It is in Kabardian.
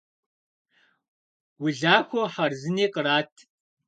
Улахуэ хъарзыни кърат.